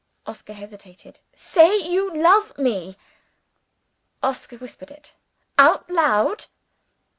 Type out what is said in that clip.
Oscar hesitated. "Say you love me!" Oscar whispered it. "Out loud!"